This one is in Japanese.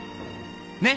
ねっ！